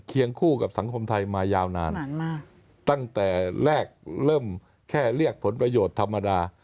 คู่กับสังคมไทยมายาวนานมากตั้งแต่แรกเริ่มแค่เรียกผลประโยชน์ธรรมดา